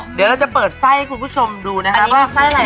เดี๋ยวเราจะเปิดไส้ให้คุณผู้ชมดูนะครับ